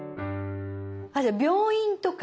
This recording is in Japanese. じゃあ病院とか。